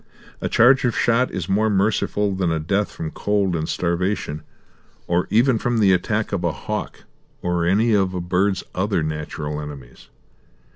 A charge of shot is more merciful than a death from cold and starvation, or even from the attack of a hawk or any of a bird's other natural enemies.